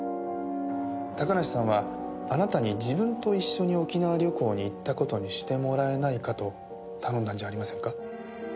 高梨さんはあなたに自分と一緒に沖縄旅行に行った事にしてもらえないかと頼んだんじゃありませんか？